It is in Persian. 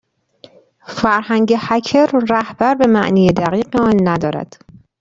فرهنگ هکر، رهبر به معنی دقیق آن ندارد.